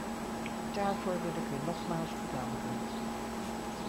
Daarvoor wil ik u nogmaals bedanken.